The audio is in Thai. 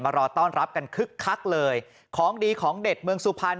รอต้อนรับกันคึกคักเลยของดีของเด็ดเมืองสุพรรณ